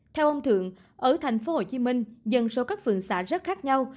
theo ông thượng ở thành phố hồ chí minh dân số các phường xã rất khác nhau